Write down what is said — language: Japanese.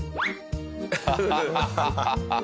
ハハハハッ！